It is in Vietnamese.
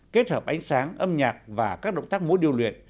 kết hợp ánh sáng âm nhạc và các động tác múa điêu luyện